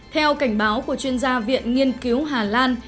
theo cảnh báo của chuyên gia viện nghiên cứu hà lan